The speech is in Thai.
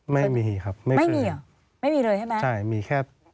ไม่มีครับไม่มีอ๋อไม่มีเลยใช่ไหม